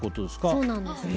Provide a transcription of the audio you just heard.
そうなんです。